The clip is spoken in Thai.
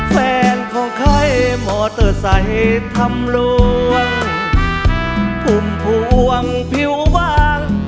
แฟนของใครหมอเตอร์ใส่ทำลวงพุ่มพวงผิวหวังพร้อมร้องได้ให้ล้านยกที่๔